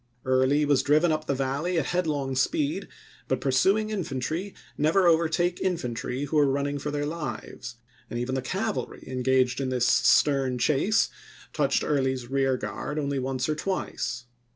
Early was driven up the Valley at headlong speed, but pursuing infantry never overtake infantry who are running for their lives, and even the cavalry en gaged in this stern chase touched Early's rear guard only once or twice.